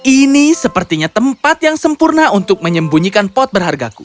ini sepertinya tempat yang sempurna